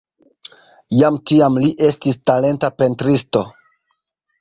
Jam tiam li estis talenta pentristo.